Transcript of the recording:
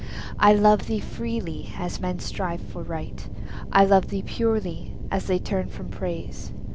I love thee freely, as men strive for Right; I love thee purely, as they turn from Praise.